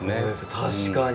確かに！